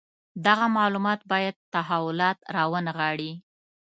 دغه معلومات باید تحولات راونغاړي.